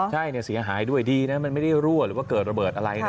ใช่เสียหายด้วยดีนะมันไม่ได้รั่วหรือว่าเกิดระเบิดอะไรนะ